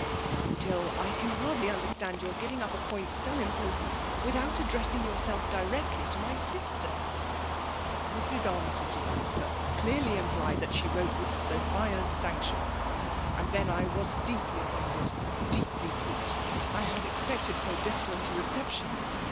" Still I can hardly understand your giraigr np a point so important, without addressing yourself directly to my sister T* "Mrs. Armytage's answer clearly implied that she wrote with Sophia's sanction. And then I was deeply offended, deeply piqued ; I had expected so different a reception